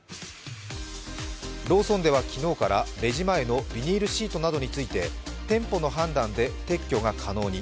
ローソンでは昨日からレジ前のビニールシートなどについて店舗の判断で撤去が可能に。